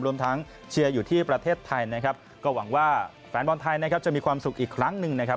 รวมทั้งเชียร์อยู่ที่ประเทศไทยนะครับก็หวังว่าแฟนบอลไทยนะครับจะมีความสุขอีกครั้งหนึ่งนะครับ